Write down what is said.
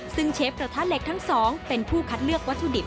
ซึ่งเชฟกระทะเหล็กทั้งสองเป็นผู้คัดเลือกวัตถุดิบ